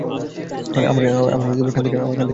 আমার কান থেকে পানি বের হয়।